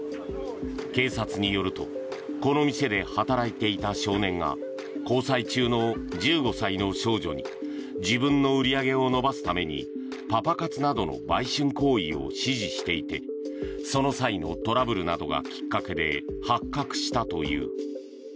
警察によるとこの店で働いていた少年が交際中の１５歳の少女に自分の売り上げを伸ばすためにパパ活などの売春行為を指示していてその際のトラブルなどがきっかけで、発覚したという。